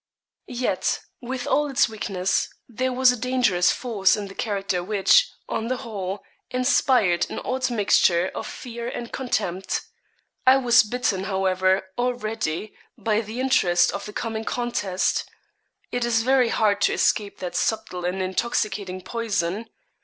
Yet, with all its weakness, there was a dangerous force in the character which, on the whole, inspired an odd mixture of fear and contempt. I was bitten, however, already, by the interest of the coming contest. It is very hard to escape that subtle and intoxicating poison.